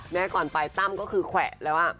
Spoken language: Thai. ก่อนไปตั้มก็คือแขวะแล้ว